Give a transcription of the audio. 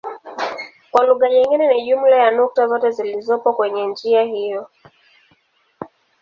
Kwa lugha nyingine ni jumla ya nukta zote zilizopo kwenye njia hiyo.